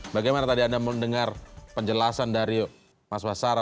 bagaimana tadi anda mendengar penjelasan dari mas basara